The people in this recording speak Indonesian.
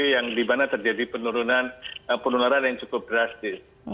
yang di mana terjadi penurunan penularan yang cukup drastis